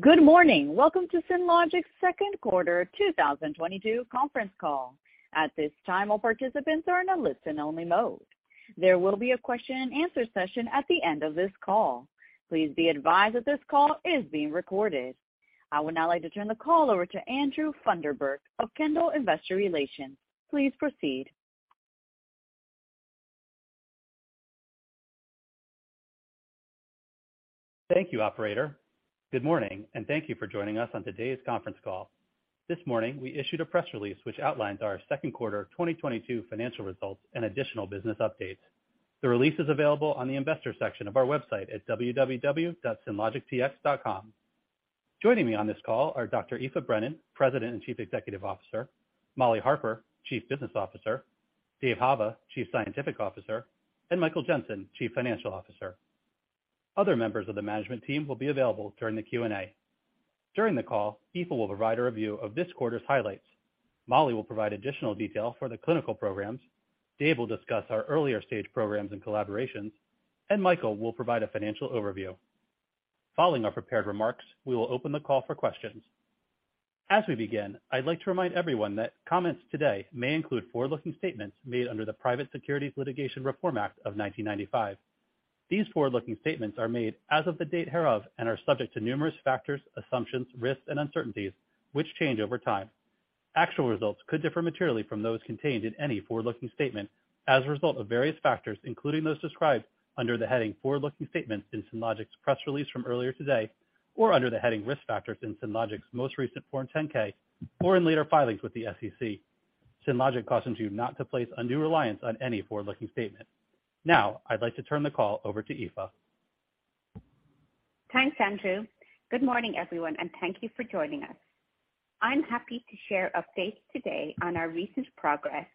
Good morning. Welcome to Synlogic's second quarter 2022 conference call. At this time, all participants are in a listen-only mode. There will be a question and answer session at the end of this call. Please be advised that this call is being recorded. I would now like to turn the call over to Andrew Funderburk of Kendall Investor Relations. Please proceed. Thank you, operator. Good morning, and thank you for joining us on today's conference call. This morning, we issued a press release which outlines our second-quarter 2022 financial results and additional business updates. The release is available on the investor section of our website at www.synlogictx.com. Joining me on this call are Dr. Aoife Brennan, President and Chief Executive Officer, Molly Harper, Chief Business Officer, Dave Hava, Chief Scientific Officer, and Michael Jensen, Chief Financial Officer. Other members of the management team will be available during the Q&A. During the call, Aoife will provide a review of this quarter's highlights. Molly will provide additional detail for the clinical programs. Dave will discuss our earlier-stage programs and collaborations, and Michael will provide a financial overview. Following our prepared remarks, we will open the call for questions. As we begin, I'd like to remind everyone that comments today may include forward-looking statements made under the Private Securities Litigation Reform Act of 1995. These forward-looking statements are made as of the date hereof and are subject to numerous factors, assumptions, risks, and uncertainties which change over time. Actual results could differ materially from those contained in any forward-looking statement as a result of various factors, including those described under the heading Forward-Looking Statements in Synlogic's press release from earlier today, or under the heading Risk Factors in Synlogic's most recent Form 10-K or in later filings with the SEC. Synlogic cautions you not to place undue reliance on any forward-looking statement. Now, I'd like to turn the call over to Aoife. Thanks, Andrew. Good morning, everyone, and thank you for joining us. I'm happy to share updates today on our recent progress,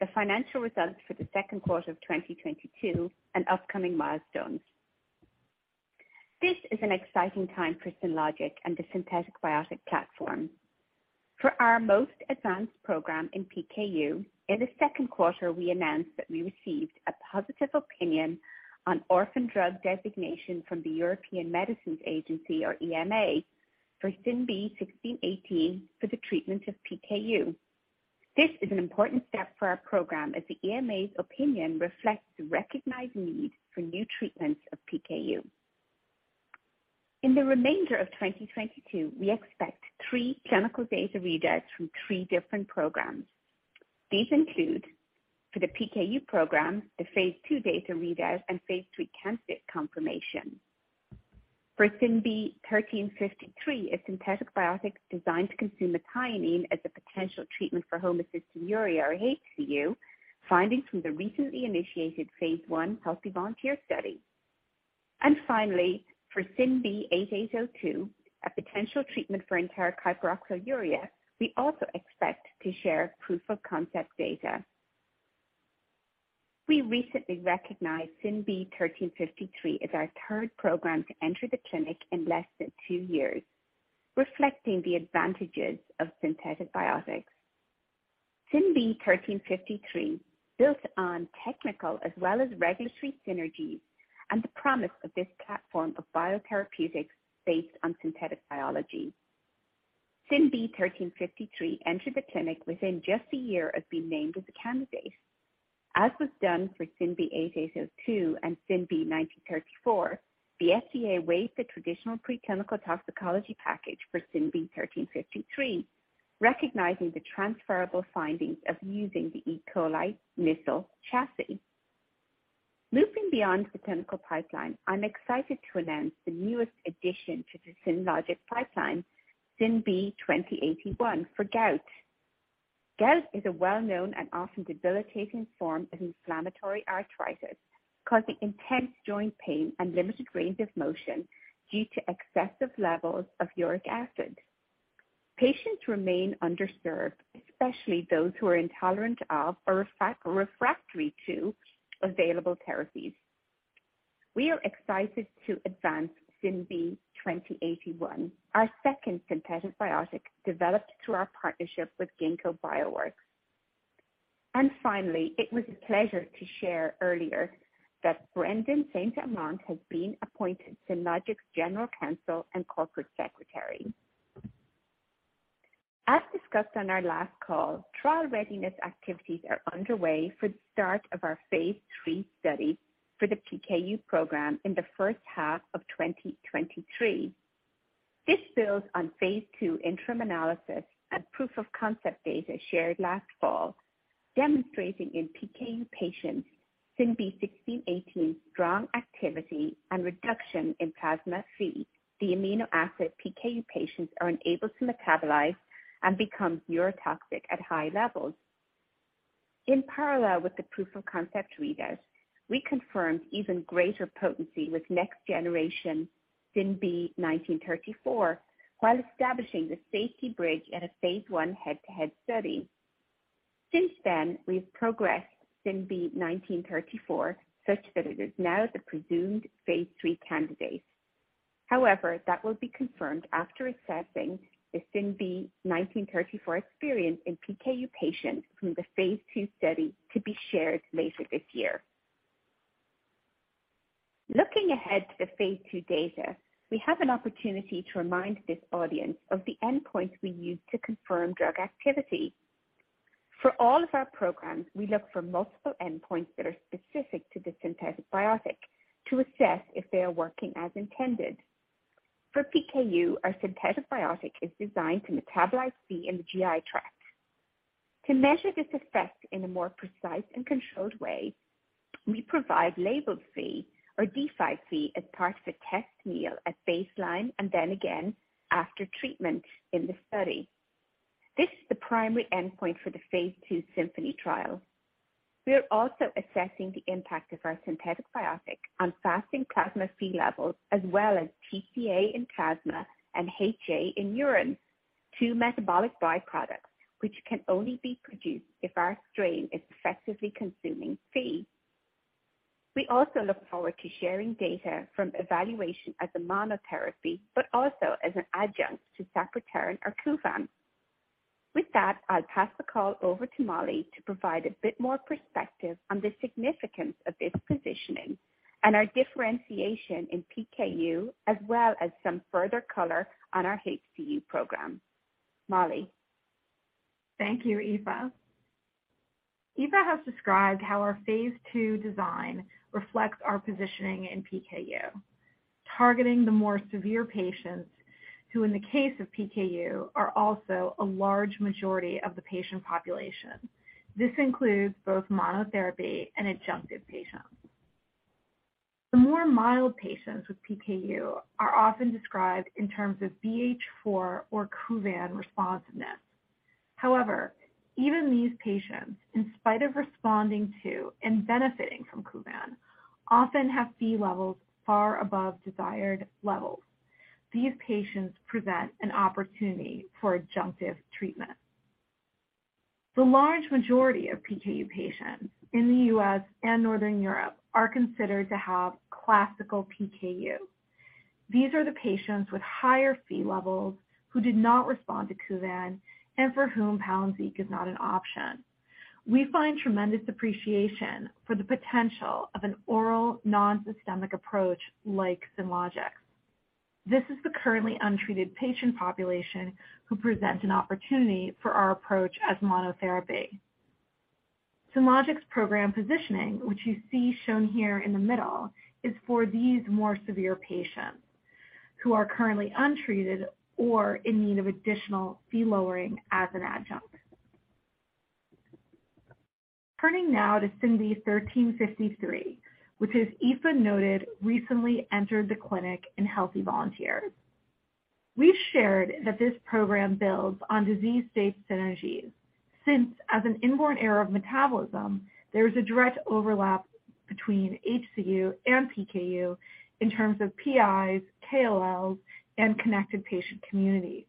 the financial results for the second quarter of 2022 and upcoming milestones. This is an exciting time for Synlogic and the Synthetic Biotic platform. For our most advanced program in PKU, in the second quarter, we announced that we received a positive opinion on orphan drug designation from the European Medicines Agency or EMA for SYNB1618 for the treatment of PKU. This is an important step for our program as the EMA's opinion reflects the recognized need for new treatments of PKU. In the remainder of 2022, we expect three clinical data readouts from three different programs. These include for the PKU program, the phase II data readouts and phase III candidate confirmation. For SYNB1353, a Synthetic Biotic designed to consume methionine as a potential treatment for homocystinuria or HCU, findings from the recently initiated phase I healthy volunteer study. Finally, for SYNB8802, a potential treatment for enteric hyperoxaluria, we also expect to share proof-of-concept data. We recently recognized SYNB1353 as our third program to enter the clinic in less than two years, reflecting the advantages of Synthetic Biotics. SYNB1353 built on technical as well as regulatory synergies and the promise of this platform of biotherapeutics based on synthetic biology. SYNB1353 entered the clinic within just a year of being named as a candidate. As was done for SYNB8802 and SYNB1934, the FDA waived the traditional pre-clinical toxicology package for SYNB1353, recognizing the transferable findings of using the E. coli Nissle chassis. Looking beyond the clinical pipeline, I'm excited to announce the newest addition to the Synlogic pipeline, SYNB2081 for gout. Gout is a well-known and often debilitating form of inflammatory arthritis, causing intense joint pain and limited range of motion due to excessive levels of uric acid. Patients remain underserved, especially those who are intolerant of or refractory to available therapies. We are excited to advance SYNB2081, our second synthetic biotic developed through our partnership with Ginkgo Bioworks. Finally, it was a pleasure to share earlier that Brendan St. Amant has been appointed Synlogic's General Counsel and Corporate Secretary. As discussed on our last call, trial readiness activities are underway for the start of our phase III study for the PKU program in the first half of 2023. This builds on phase II interim analysis and proof-of-concept data shared last fall, demonstrating in PKU patients SYNB1618 strong activity and reduction in plasma Phe, the amino acid PKU patients are unable to metabolize and become neurotoxic at high levels. In parallel with the proof-of-concept readouts, we confirmed even greater potency with next generation SYNB1934 while establishing the safety bridge at a phase I head-to-head study. Since then, we've progressed SYNB1934 such that it is now the presumed phase III candidate. However, that will be confirmed after assessing the SYNB1934 experience in PKU patients from the phase II study to be shared later this year. Looking ahead to the phase II data, we have an opportunity to remind this audience of the endpoints we use to confirm drug activity. For all of our programs, we look for multiple endpoints that are specific to the Synthetic Biotic to assess if they are working as intended. For PKU, our Synthetic Biotic is designed to metabolize Phe in the GI tract. To measure this effect in a more precise and controlled way, we provide labeled Phe or D5-Phe as part of a test meal at baseline and then again after treatment in the study. This is the primary endpoint for the phase II SYMPHONY trial. We are also assessing the impact of our Synthetic Biotic on fasting plasma Phe levels, as well as TCA in plasma and HA in urine, two metabolic byproducts which can only be produced if our strain is effectively consuming Phe. We also look forward to sharing data from evaluation as a monotherapy, but also as an adjunct to sapropterin or Kuvan. With that, I'll pass the call over to Molly to provide a bit more perspective on the significance of this positioning and our differentiation in PKU, as well as some further color on our HCU program. Molly? Thank you, Aoife. Aoife has described how our phase II design reflects our positioning in PKU, targeting the more severe patients who, in the case of PKU, are also a large majority of the patient population. This includes both monotherapy and adjunctive patients. The more mild patients with PKU are often described in terms of BH4 or Kuvan responsiveness. However, even these patients, in spite of responding to and benefiting from Kuvan, often have Phe levels far above desired levels. These patients present an opportunity for adjunctive treatment. The large majority of PKU patients in the U.S. and Northern Europe are considered to have classical PKU. These are the patients with higher Phe levels who did not respond to Kuvan and for whom Palynziq is not an option. We find tremendous appreciation for the potential of an oral non-systemic approach like Synlogic. This is the currently untreated patient population who present an opportunity for our approach as monotherapy. Synlogic's program positioning, which you see shown here in the middle, is for these more severe patients who are currently untreated or in need of additional Phe lowering as an adjunct. Turning now to SYNB1353, which as Aoife noted, recently entered the clinic in healthy volunteers. We've shared that this program builds on disease state synergies. Since, as an inborn error of metabolism, there is a direct overlap between HCU and PKU in terms of PIs, KOLs, and connected patient communities.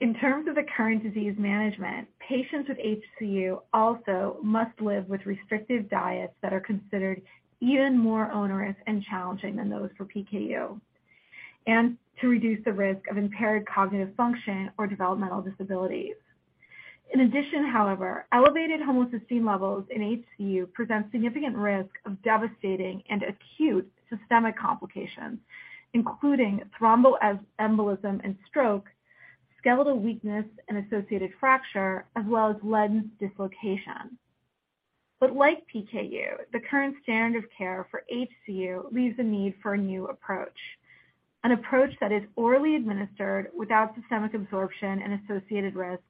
In terms of the current disease management, patients with HCU also must live with restrictive diets that are considered even more onerous and challenging than those for PKU, to reduce the risk of impaired cognitive function or developmental disabilities. In addition, however, elevated homocysteine levels in HCU present significant risk of devastating and acute systemic complications, including thromboembolism and stroke, skeletal weakness and associated fracture, as well as lens dislocation. Like PKU, the current standard of care for HCU leaves a need for a new approach, an approach that is orally administered without systemic absorption and associated risks,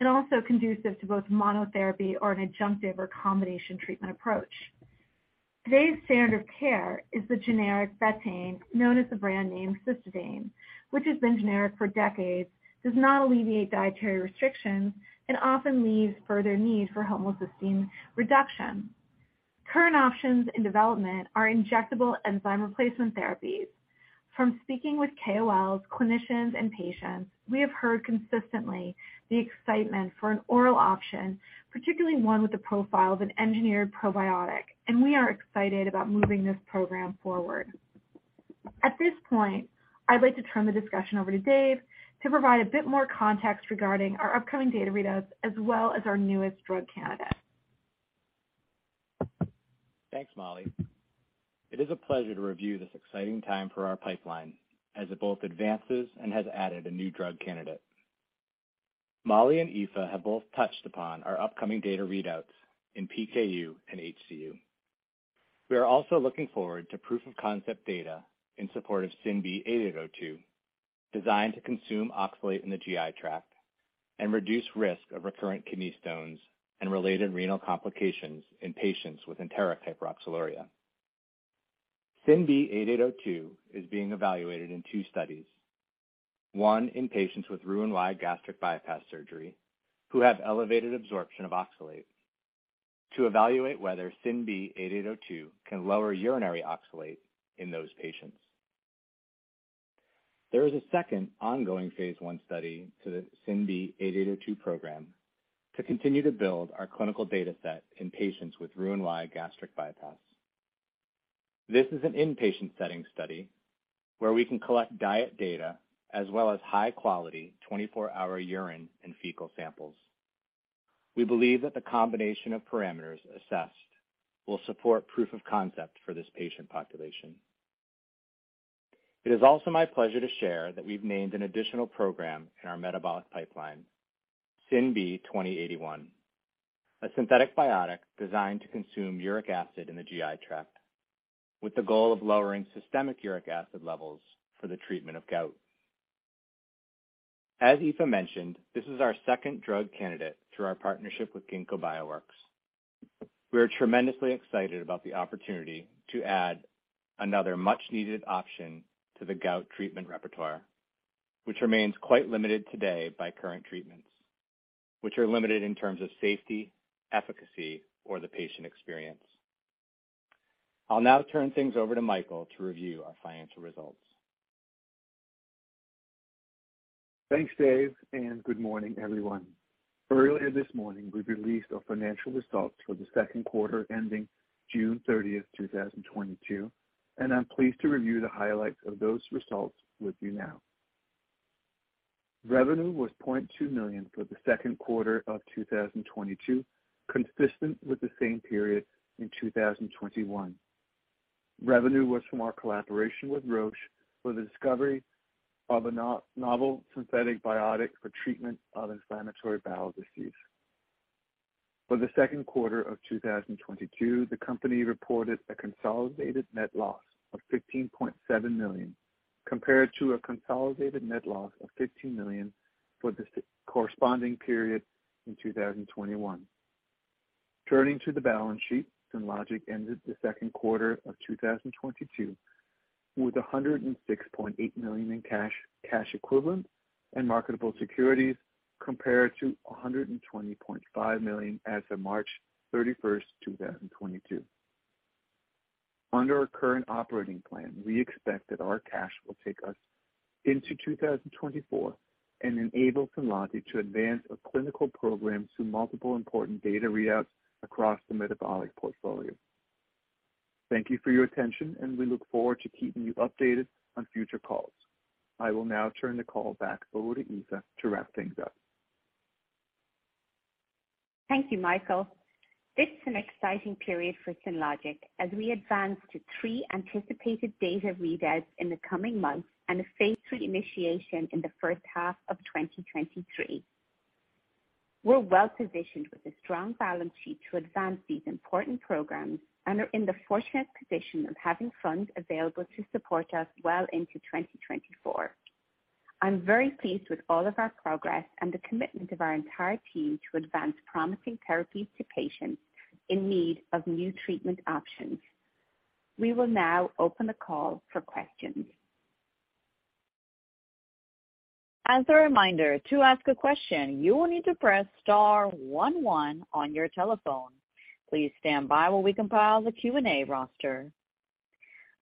and also conducive to both monotherapy or an adjunctive or combination treatment approach. Today's standard of care is the generic betaine, known as the brand name Cystadane, which has been generic for decades, does not alleviate dietary restrictions, and often leaves further need for homocysteine reduction. Current options in development are injectable enzyme replacement therapies. From speaking with KOLs, clinicians and patients, we have heard consistently the excitement for an oral option, particularly one with the profile of an engineered probiotic, and we are excited about moving this program forward. At this point, I'd like to turn the discussion over to Dave to provide a bit more context regarding our upcoming data readouts as well as our newest drug candidate. Thanks, Molly. It is a pleasure to review this exciting time for our pipeline as it both advances and has added a new drug candidate. Molly and Aoife have both touched upon our upcoming data readouts in PKU and HCU. We are also looking forward to proof of concept data in support of SYNB8802, designed to consume oxalate in the GI tract and reduce risk of recurrent kidney stones and related renal complications in patients with enteric hyperoxaluria. SYNB8802 is being evaluated in two studies, one in patients with Roux-en-Y gastric bypass surgery who have elevated absorption of oxalate to evaluate whether SYNB8802 can lower urinary oxalate in those patients. There is a second ongoing phase I study to the SYNB8802 program to continue to build our clinical data set in patients with Roux-en-Y gastric bypass. This is an inpatient setting study where we can collect diet data as well as high quality 24-hour urine and fecal samples. We believe that the combination of parameters assessed will support proof of concept for this patient population. It is also my pleasure to share that we've named an additional program in our metabolic pipeline, SYNB2081, a Synthetic Biotic designed to consume uric acid in the GI tract with the goal of lowering systemic uric acid levels for the treatment of gout. As Aoife mentioned, this is our second drug candidate through our partnership with Ginkgo Bioworks. We are tremendously excited about the opportunity to add another much-needed option to the gout treatment repertoire, which remains quite limited today by current treatments, which are limited in terms of safety, efficacy, or the patient experience. I'll now turn things over to Michael to review our financial results. Thanks, Dave, and good morning, everyone. Earlier this morning, we released our financial results for the second quarter ending June 30th, 2022, and I'm pleased to review the highlights of those results with you now. Revenue was $0.2 million for the second quarter of 2022, consistent with the same period in 2021. Revenue was from our collaboration with Roche for the discovery of a novel Synthetic Biotic for treatment of inflammatory bowel disease. For the second quarter of 2022, the company reported a consolidated net loss of $15.7 million, compared to a consolidated net loss of $15 million for the corresponding period in 2021. Turning to the balance sheet, Synlogic ended the second quarter of 2022 with $106.8 million in cash equivalents, and marketable securities compared to $120.5 million as of March 31st, 2022. Under our current operating plan, we expect that our cash will take us into 2024 and enable Synlogic to advance a clinical program through multiple important data readouts across the metabolic portfolio. Thank you for your attention, and we look forward to keeping you updated on future calls. I will now turn the call back over to Aoife to wrap things up. Thank you, Michael. This is an exciting period for Synlogic as we advance to three anticipated data readouts in the coming months and a phase III initiation in the first half of 2023. We're well-positioned with a strong balance sheet to advance these important programs and are in the fortunate position of having funds available to support us well into 2024. I'm very pleased with all of our progress and the commitment of our entire team to advance promising therapies to patients in need of new treatment options. We will now open the call for questions. As a reminder, to ask a question, you will need to press star one one on your telephone. Please stand by while we compile the Q&A roster.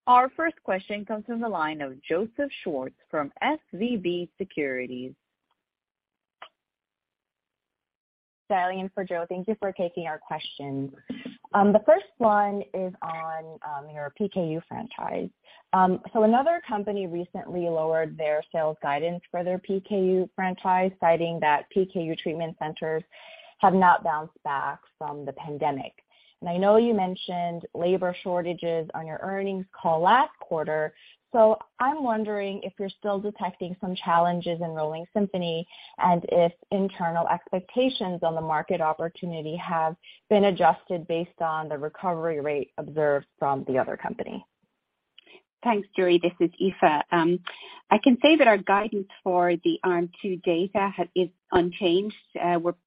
Our first question comes from the line of Joseph Schwartz from SVB Securities. Hi, Aoife. Joe. Thank you for taking our questions. The first one is on your PKU franchise. Another company recently lowered their sales guidance for their PKU franchise, citing that PKU treatment centers have not bounced back from the pandemic. I know you mentioned labor shortages on your earnings call last quarter. I'm wondering if you're still detecting some challenges enrolling Symphony and if internal expectations on the market opportunity have been adjusted based on the recovery rate observed from the other company. Thanks, Joey. This is Aoife. I can say that our guidance for the Arm 2 data is unchanged.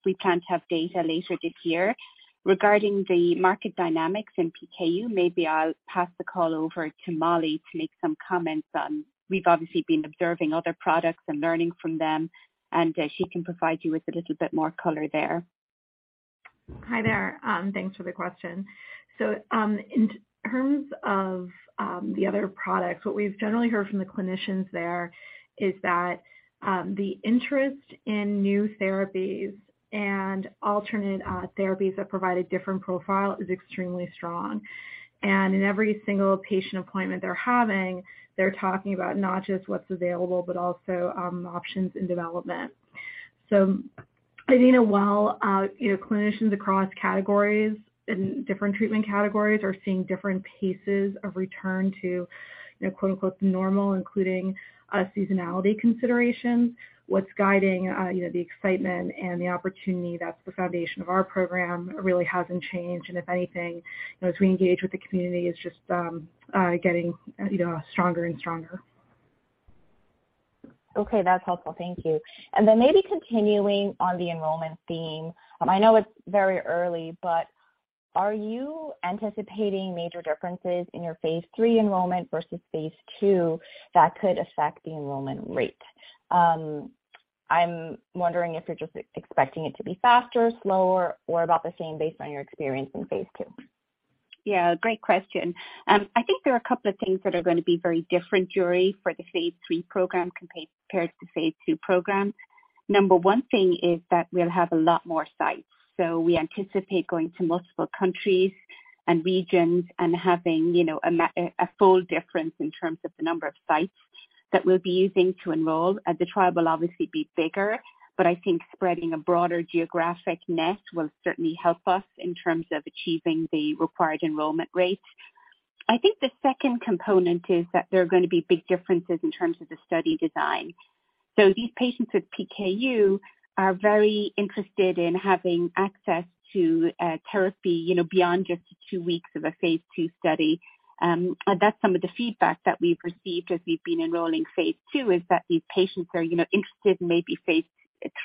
We plan to have data later this year. Regarding the market dynamics in PKU, maybe I'll pass the call over to Molly to make some comments on. We've obviously been observing other products and learning from them, and she can provide you with a little bit more color there. Hi there. Thanks for the question. In terms of the other products, what we've generally heard from the clinicians there is that the interest in new therapies and alternate therapies that provide a different profile is extremely strong. In every single patient appointment they're having, they're talking about not just what's available, but also options in development. I think while you know, clinicians across categories and different treatment categories are seeing different paces of return to you know, quote-unquote, normal, including a seasonality consideration, what's guiding you know, the excitement and the opportunity that's the foundation of our program really hasn't changed. If anything, you know, as we engage with the community is just getting you know, stronger and stronger. Okay. That's helpful. Thank you. Maybe continuing on the enrollment theme. I know it's very early, but are you anticipating major differences in your phase III enrollment versus phase II that could affect the enrollment rate? I'm wondering if you're just expecting it to be faster, slower, or about the same based on your experience in phase II? Yeah, great question. I think there are a couple of things that are gonna be very different, Joey, for the phase III program compared to phase II program. Number one thing is that we'll have a lot more sites. We anticipate going to multiple countries and regions and having, you know, a full difference in terms of the number of sites that we'll be using to enroll. The trial will obviously be bigger, but I think spreading a broader geographic net will certainly help us in terms of achieving the required enrollment rates. I think the second component is that there are gonna be big differences in terms of the study design. These patients with PKU are very interested in having access to therapy, you know, beyond just the two weeks of a phase II study. That's some of the feedback that we've received as we've been enrolling phase II, is that these patients are, you know, interested in maybe phase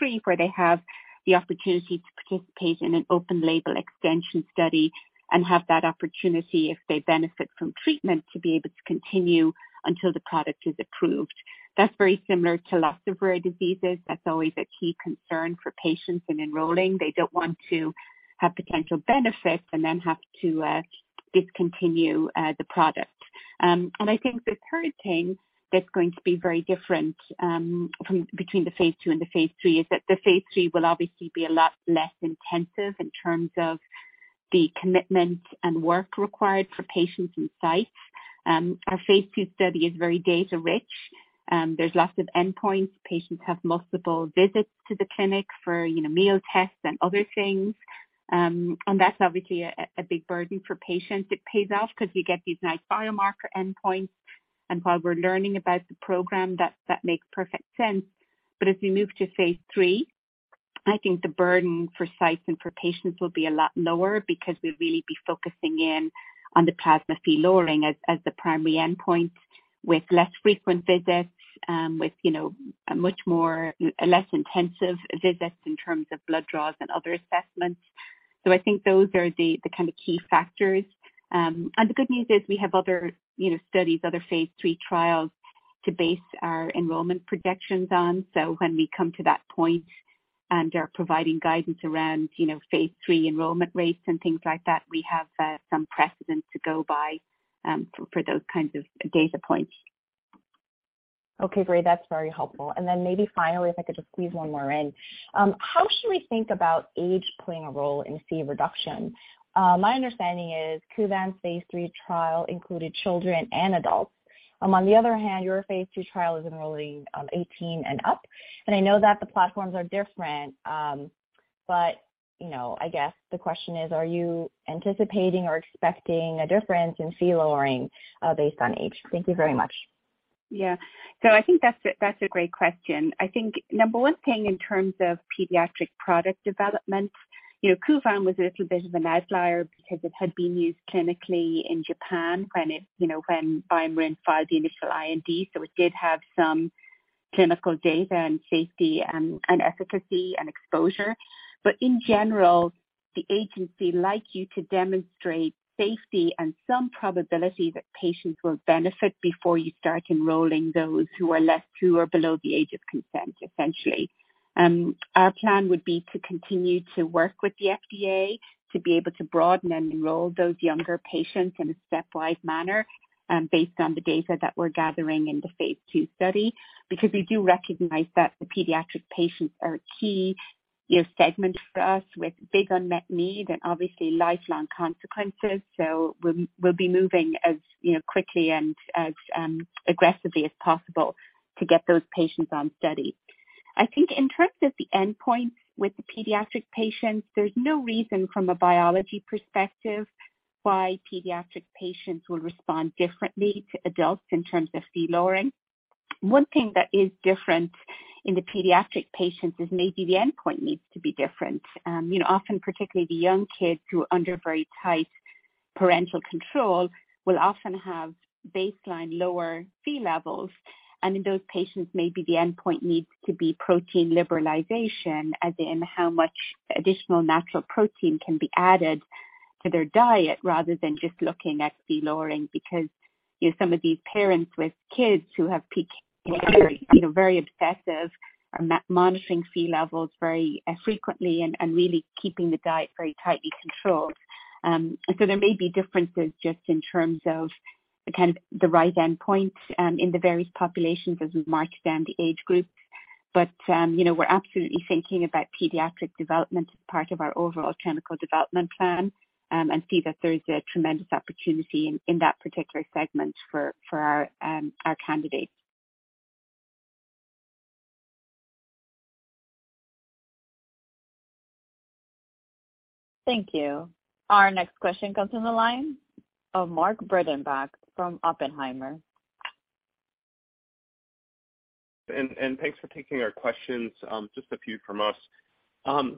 III, where they have the opportunity to participate in an open label extension study and have that opportunity, if they benefit from treatment, to be able to continue until the product is approved. That's very similar to lots of rare diseases. That's always a key concern for patients in enrolling. They don't want to have potential benefits and then have to discontinue the product. I think the third thing that's going to be very different from between the phase II and the phase III is that the phase III will obviously be a lot less intensive in terms of the commitment and work required for patients and sites. Our phase II study is very data rich. There's lots of endpoints. Patients have multiple visits to the clinic for, you know, meal tests and other things. That's obviously a big burden for patients. It pays off 'cause we get these nice biomarker endpoints. While we're learning about the program, that makes perfect sense. As we move to phase III, I think the burden for sites and for patients will be a lot lower because we'll really be focusing in on the plasma Phe lowering as the primary endpoint with less frequent visits, with, you know, a much more less intensive visits in terms of blood draws and other assessments. I think those are the kind of key factors. The good news is we have other, you know, studies, other phase III trials to base our enrollment projections on. When we come to that point and are providing guidance around, you know, phase III enrollment rates and things like that, we have some precedent to go by, for those kinds of data points. Okay, great. That's very helpful. Maybe finally, if I could just squeeze one more in. How should we think about age playing a role in Phe reduction? My understanding is Kuvan phase III trial included children and adults. On the other hand, your phase II trial is enrolling 18 and up. I know that the platforms are different, but you know, I guess the question is, are you anticipating or expecting a difference in Phe lowering based on age? Thank you very much. Yeah. I think that's a great question. I think number one thing in terms of pediatric product development, you know, Kuvan was a little bit of an outlier because it had been used clinically in Japan when BioMarin filed the initial IND. It did have some clinical data and safety and efficacy and exposure. In general, the agency would like you to demonstrate safety and some probability that patients will benefit before you start enrolling those who are below the age of consent, essentially. Our plan would be to continue to work with the FDA to be able to broaden and enroll those younger patients in a stepwise manner, based on the data that we're gathering in the phase II study. Because we do recognize that the pediatric patients are a key, you know, segment for us with big unmet need and obviously lifelong consequences. We'll be moving as, you know, quickly and as aggressively as possible to get those patients on study. I think in terms of the endpoint with the pediatric patients, there's no reason from a biology perspective why pediatric patients will respond differently to adults in terms of Phe lowering. One thing that is different in the pediatric patients is maybe the endpoint needs to be different. You know, often particularly the young kids who are under very tight parental control will often have baseline lower Phe levels. In those patients, maybe the endpoint needs to be protein liberalization, as in how much additional natural protein can be added to their diet rather than just looking at Phe lowering. Because, you know, some of these parents with kids who have PKU are, you know, very obsessive and monitoring Phe levels very frequently and really keeping the diet very tightly controlled. There may be differences just in terms of kind of the right endpoint in the various populations as we mark down the age groups. You know, we're absolutely thinking about pediatric development as part of our overall clinical development plan and see that there is a tremendous opportunity in that particular segment for our candidates. Thank you. Our next question comes from the line of Mark Breidenbach from Oppenheimer. Thanks for taking our questions, just a few from us.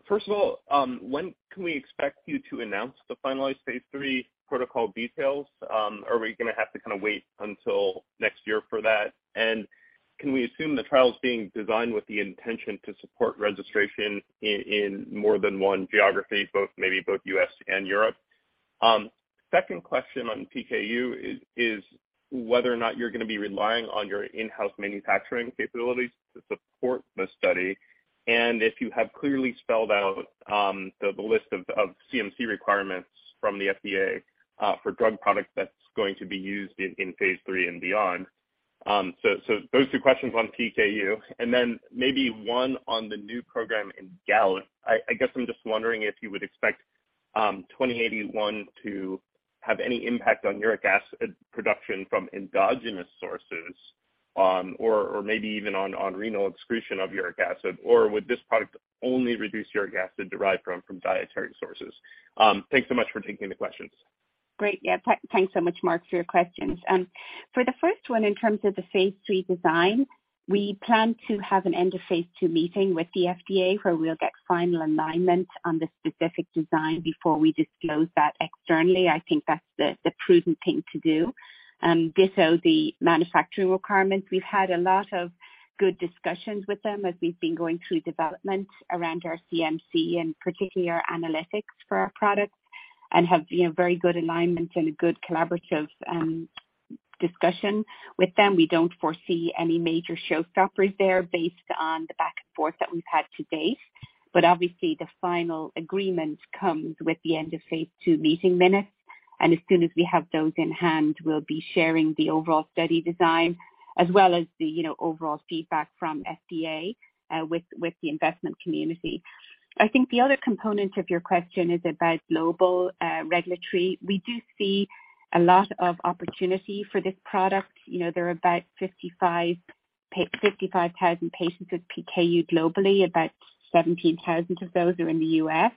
First of all, when can we expect you to announce the finalized phase III protocol details? Are we gonna have to kinda wait until next year for that? Can we assume the trial's being designed with the intention to support registration in more than one geography, both maybe both U.S. and Europe? Second question on PKU is whether or not you're gonna be relying on your in-house manufacturing capabilities to support the study, and if you have clearly spelled out the list of CMC requirements from the FDA for drug products that's going to be used in phase III and beyond. Those two questions on PKU and then maybe one on the new program in gout. I guess I'm just wondering if you would expect SYNB2081 to have any impact on uric acid production from endogenous sources, or maybe even on renal excretion of uric acid. Would this product only reduce uric acid derived from dietary sources? Thanks so much for taking the questions. Great. Yeah. Thanks so much, Mark, for your questions. For the first one, in terms of the phase III design, we plan to have an end of phase II meeting with the FDA where we'll get final alignment on the specific design before we disclose that externally. I think that's the prudent thing to do. Ditto the manufacturing requirements. We've had a lot of good discussions with them as we've been going through development around our CMC and particularly our analytics for our products and have, you know, very good alignment and a good collaborative discussion with them. We don't foresee any major showstoppers there based on the back and forth that we've had to date. Obviously the final agreement comes with the end of phase II meeting minutes, and as soon as we have those in hand, we'll be sharing the overall study design as well as the, you know, overall feedback from FDA with the investment community. I think the other component of your question is about global regulatory. We do see a lot of opportunity for this product. You know, there are about 55,000 patients with PKU globally. About 17,000 patients of those are in the U.S.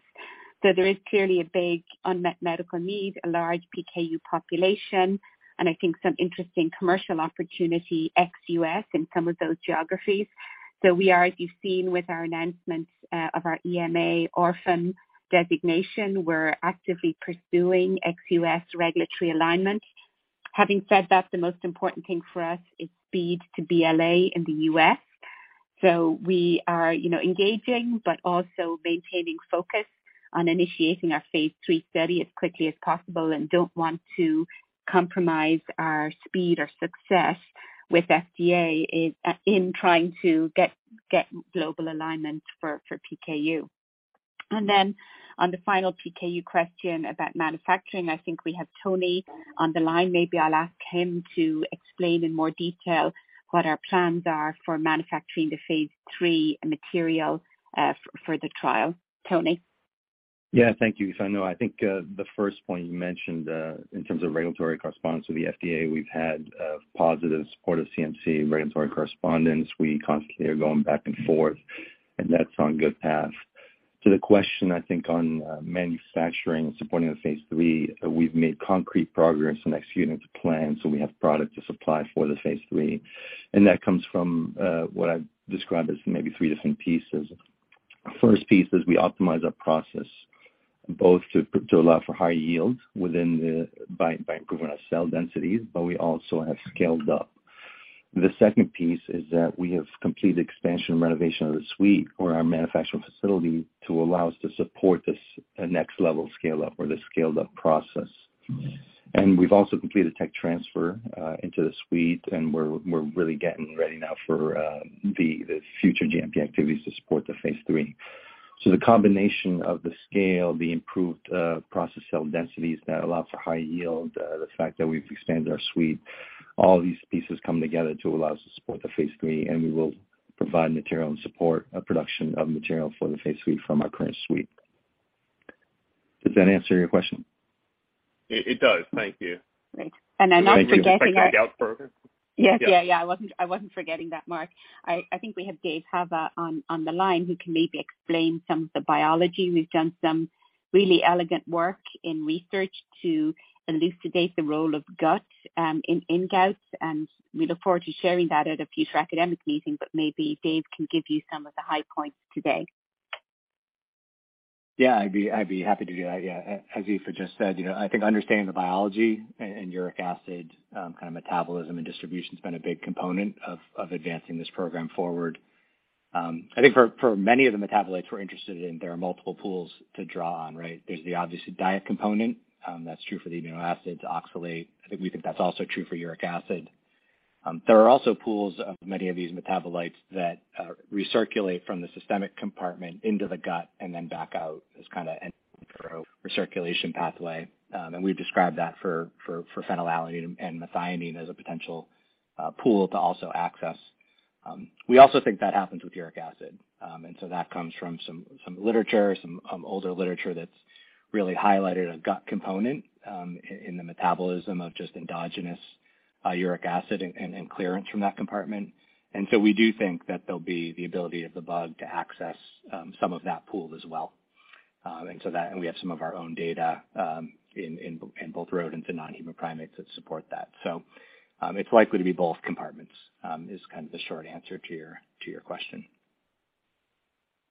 There is clearly a big unmet medical need, a large PKU population, and I think some interesting commercial opportunity ex-U.S. in some of those geographies. We are, as you've seen with our announcements of our EMA orphan designation, we're actively pursuing ex-U.S. regulatory alignment. Having said that, the most important thing for us is speed to BLA in the U.S. We are, you know, engaging but also maintaining focus on initiating our phase III study as quickly as possible and don't want to compromise our speed or success with FDA in trying to get global alignment for PKU. On the final PKU question about manufacturing, I think we have Tony on the line. Maybe I'll ask him to explain in more detail what our plans are for manufacturing the phase III material for the trial. Tony? Yeah. Thank you. No, I think the first point you mentioned in terms of regulatory correspondence with the FDA, we've had a positive support of CMC regulatory correspondence. We constantly are going back and forth, and that's on good path. To the question, I think on manufacturing and supporting the phase III, we've made concrete progress in executing the plan, so we have product to supply for the phase III. That comes from what I've described as maybe three different pieces. First piece is we optimize our process both to allow for high yield within by improving our cell densities, but we also have scaled up. The second piece is that we have completed expansion renovation of the suite or our manufacturing facility to allow us to support this next level scale-up or the scaled up process. We've also completed tech transfer into the suite, and we're really getting ready now for the future GMP activities to support the phase III. The combination of the scale, the improved process cell densities that allow for high yield, the fact that we've expanded our suite, all these pieces come together to allow us to support the phase III, and we will provide material and support production of material for the phase III from our current suite. Does that answer your question? It does. Thank you. Great. I'm not forgetting that. Thank you. Can I dig out further? Yeah. I wasn't forgetting that, Mark. I think we have David Hava on the line who can maybe explain some of the biology. We've done some really elegant work in research to elucidate the role of gut in gout, and we look forward to sharing that at a future academic meeting. Maybe Dave can give you some of the high points today. Yeah. I'd be happy to do that. Yeah. As Aoife just said, you know, I think understanding the biology and uric acid kind of metabolism and distribution's been a big component of advancing this program forward. I think for many of the metabolites we're interested in, there are multiple pools to draw on, right? There's the obviously diet component, that's true for the amino acids, oxalate. I think we think that's also true for uric acid. There are also pools of many of these metabolites that recirculate from the systemic compartment into the gut and then back out as kind of enterohepatic recirculation pathway. We've described that for phenylalanine and methionine as a potential pool to also access. We also think that happens with uric acid. That comes from some literature, some older literature that's really highlighted a gut component in the metabolism of just endogenous uric acid and clearance from that compartment. We do think that there'll be the ability of the bug to access some of that pool as well. We have some of our own data in both rodent and non-human primates that support that. It's likely to be both compartments is kind of the short answer to your question.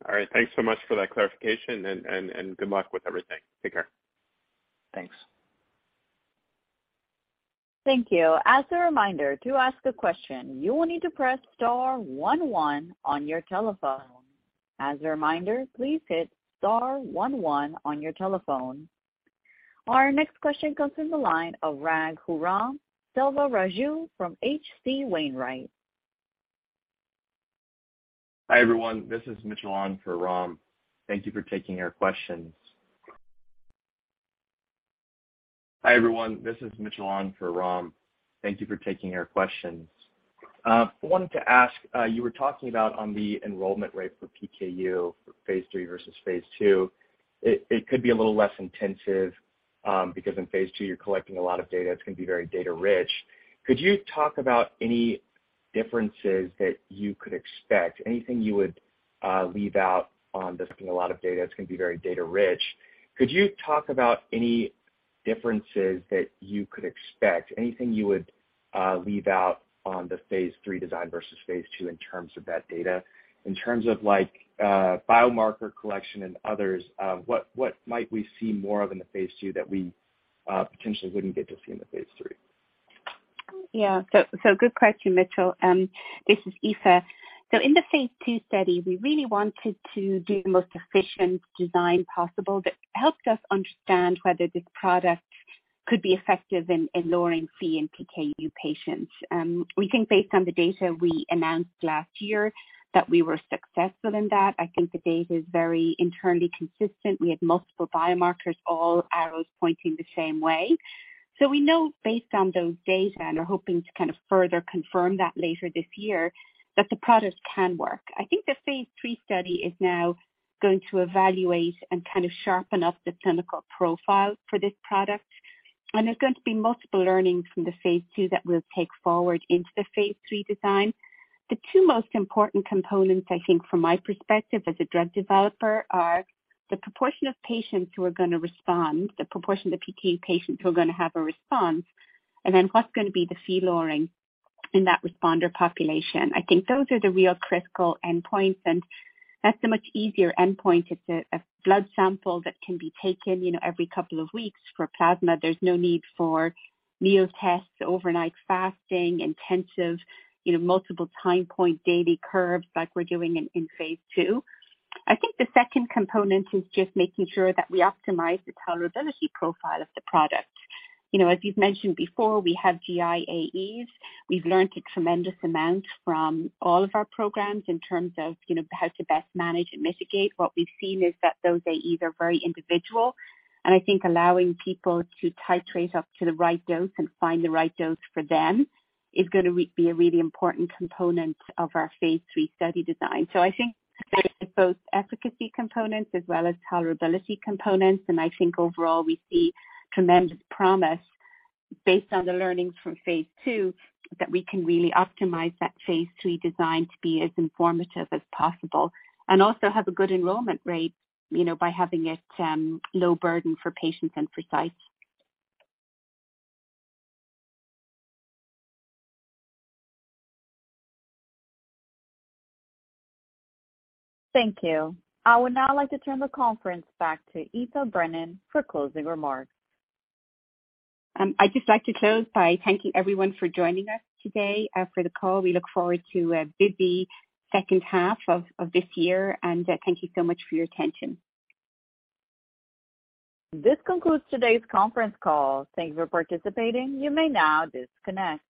All right. Thanks so much for that clarification and good luck with everything. Take care. Thanks. Thank you. As a reminder, to ask a question, you will need to press star one one on your telephone. As a reminder, please hit star one one on your telephone. Our next question comes from the line of Raghuram Selvaraju from H.C. Wainwright & Co. Hi, everyone. This is Mitchell on for Raghuram. Thank you for taking our questions. Hi, everyone. This is Mitchell Kapoor for Raghuram. Thank you for taking our questions. I wanted to ask, you were talking about on the enrollment rate for PKU for phase III versus phase II. It could be a little less intensive, because in phase II, you're collecting a lot of data, it's gonna be very data rich. Could you talk about any differences that you could expect? Anything you would leave out on this being a lot of data, it's gonna be very data rich. Could you talk about any differences that you could expect? Anything you would leave out on the phase III design versus phase II in terms of that data? In terms of like, biomarker collection and others, what might we see more of in the phase II that we potentially wouldn't get to see in the phase III? Yeah. Good question, Mitchell. This is Aoife. In the phase II study, we really wanted to do the most efficient design possible that helped us understand whether this product could be effective in lowering Phe in PKU patients. We think based on the data we announced last year that we were successful in that. I think the data is very internally consistent. We had multiple biomarkers, all arrows pointing the same way. We know based on those data, and we're hoping to kind of further confirm that later this year, that the product can work. I think the phase III study is now going to evaluate and kind of sharpen up the clinical profile for this product. There's going to be multiple learnings from the phase II that we'll take forward into the phase III design. The two most important components, I think from my perspective as a drug developer, are the proportion of patients who are gonna respond, the proportion of the PKU patients who are gonna have a response, and then what's gonna be the Phe lowering in that responder population. I think those are the real critical endpoints, and that's a much easier endpoint. It's a blood sample that can be taken, you know, every couple of weeks. For plasma, there's no need for meal tests, overnight fasting, intensive, you know, multiple time point daily curves like we're doing in phase II. I think the second component is just making sure that we optimize the tolerability profile of the product. You know, as you've mentioned before, we have GI AEs. We've learned a tremendous amount from all of our programs in terms of, you know, how to best manage and mitigate. What we've seen is that those AEs are very individual, and I think allowing people to titrate up to the right dose and find the right dose for them is gonna be a really important component of our phase III study design. I think there is both efficacy components as well as tolerability components, and I think overall we see tremendous promise based on the learnings from phase II, that we can really optimize that phase III design to be as informative as possible and also have a good enrollment rate, you know, by having it low burden for patients and for sites. Thank you. I would now like to turn the conference back to Aoife Brennan for closing remarks. I'd just like to close by thanking everyone for joining us today, for the call. We look forward to a busy second half of this year. Thank you so much for your attention. This concludes today's conference call. Thank you for participating. You may now disconnect.